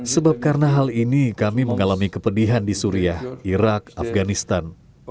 sebab karena hal ini kami mengalami kepedihan di suriah irak afganistan